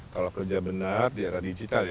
kalau kerja benar di arah digital